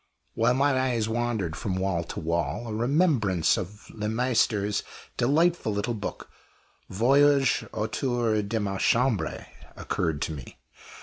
While my eyes wandered from wall to wall, a remembrance of Le Maistre's delightful little book, "Voyage autour de ma Chambre," occurred to me.